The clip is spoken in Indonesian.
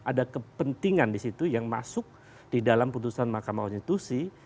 ada kepentingan di situ yang masuk di dalam putusan mahkamah konstitusi